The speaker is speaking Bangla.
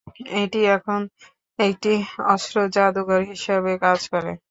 এটি এখন একটি অস্ত্র যাদুঘর হিসাবে কাজ করে।